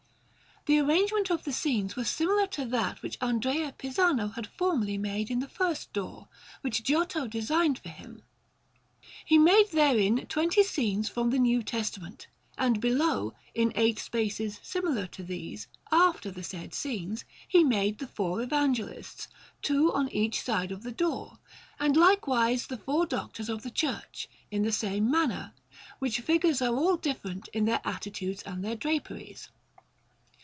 The arrangement of the scenes was similar to that which Andrea Pisano had formerly made in the first door, which Giotto designed for him. He made therein twenty scenes from the New Testament; and below, in eight spaces similar to these, after the said scenes, he made the four Evangelists, two on each side of the door, and likewise the four Doctors of the Church, in the same manner; which figures are all different in their attitudes and their draperies.